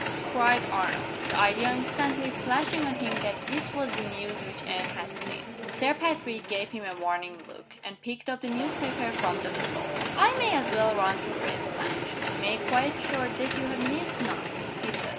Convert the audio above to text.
cried Arnold; the idea instantly flashing on him that this was the news which Anne had seen. Sir Patrick gave him a warning look, and picked up the newspaper from the floor. "I may as well run through it, Blanche, and make quite sure that you have missed nothing," he said.